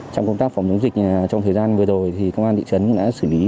trong công tác phòng chống dịch trong thời gian vừa rồi thì công an thị trấn đã xử lý